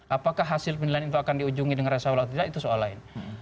apakah hasil penilaian itu akan diujungi dengan resau atau tidak itu soal lain